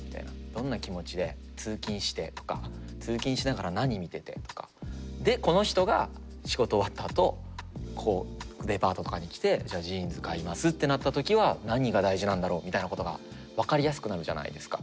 どんな気持ちで通勤してとか通勤しながら何見ててとかでこの人が仕事終わったあとこうデパートとかに来てじゃあジーンズ買いますってなった時は何が大事なんだろうみたいなことが分かりやすくなるじゃないですか。